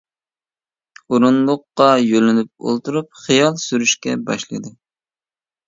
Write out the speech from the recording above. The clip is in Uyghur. ئورۇندۇققا يۆلىنىپ ئولتۇرۇپ خىيال سۈرۈشكە باشلىدى.